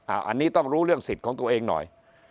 อันนี้ต้องรู้เรื่องสิทธิ์ของตัวเองหน่อย